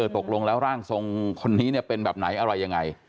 ตกลงแล้วร่างทรงคนนี้เป็นแบบไหนอะไรยังไง